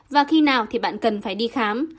và khi nào thì bạn cần phải đi khám